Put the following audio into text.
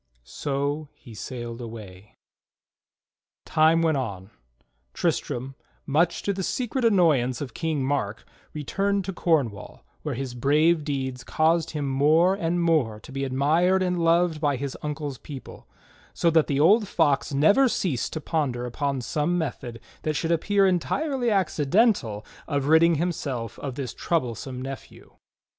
So he sailed away. Time went on. Tristram, much to the secret annoyance of King Mark, returned to Cornwall, where his brave deeds caused him more and more to be admired and loved by his uncle's people; so that the old Fox never ceased to ponder upon some method that should appear entirely accidental of ridding himself of this troublesome nephew.